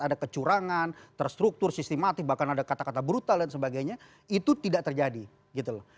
ada kecurangan terstruktur sistematif bahkan ada kata kata brutal dan sebagainya itu tidak terjadi gitu loh